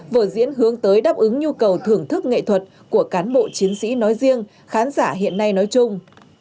vở diễn hướng tới đáp ứng nhu cầu thưởng thức nghệ thuật của cán bộ chiến sĩ nói riêng khán giả hiện nay nói chung